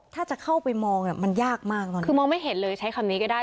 ถ้าจะเข้าไปมองมันยากมากตอนนี้คือมองไม่เห็นเลยใช้คำนี้ก็ได้